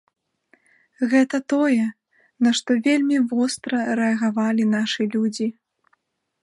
Гэта тое, на што вельмі востра рэагавалі нашы людзі.